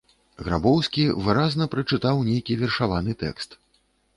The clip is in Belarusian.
Грабоўскі выразна прачытаў нейкі вершаваны тэкст.